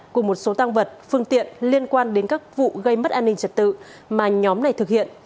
cùng một số tăng vật phương tiện liên quan đến các vụ gây mất an ninh trật tự mà nhóm này thực hiện